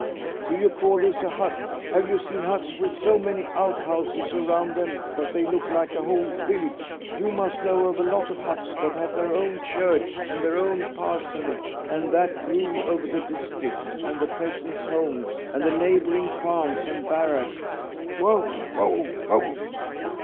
Do you call this a hut? Have you seen huts with so many outhouses around them that they look like a whole village? You must know of a lot of huts that have their own church and their own parsonage; and that rule over the district and the peasant homes and the neighbouring farms and barracks, wow, wow, wow?